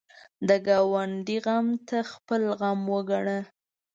د ګاونډي غم ته خپل غم وګڼه